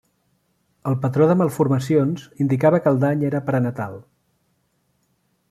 El patró de malformacions indicava que el dany era prenatal.